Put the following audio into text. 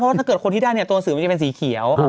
ถ้าเกิดคนที่ได้เนี่ยตัวสื่อมันจะเป็นสีเขียว